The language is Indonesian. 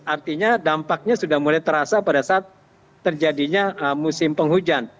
artinya dampaknya sudah mulai terasa pada saat terjadinya musim penghujan